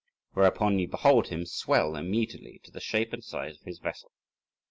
Whereupon you behold him swell immediately to the shape and size of his vessel.